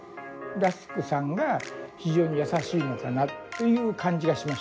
らすくさんが非常に優しいのかなという感じがしましたね。